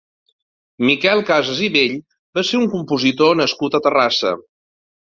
Miquel Casas i Bell va ser un compositor nascut a Terrassa.